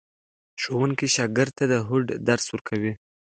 ښوونکی شاګرد ته د هوډ درس ورکوي.